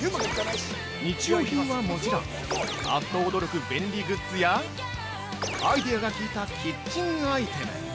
日用品はもちろんあっと驚く便利グッズやアイデアがきいたキッチンアイテム